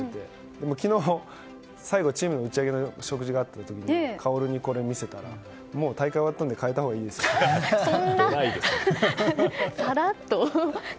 でも昨日、最後チームの打ち上げの食事があった時薫にこれを見せたらもう大会が終わったのでそんな、さらっと。